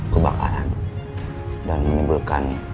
kebakaran dan menyebulkan